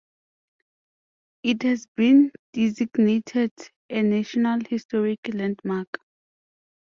It has been designated a National Historic Landmark.